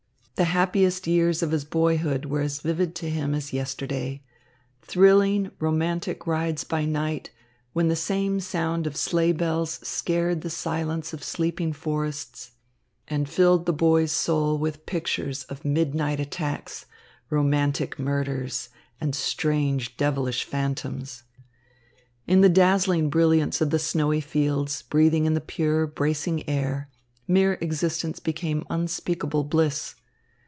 The happiest years of his boyhood were as vivid to him as yesterday thrilling, romantic rides by night, when the same sound of sleigh bells scared the silence of sleeping forests and filled the boy's soul with pictures of midnight attacks, romantic murders, and strange devilish phantoms. In the dazzling brilliance of the snowy fields, breathing in the pure, bracing air, mere existence became unspeakable bliss.